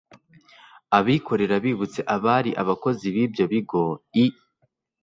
abikorera bibutse abari abakozi b'ibyo bigo i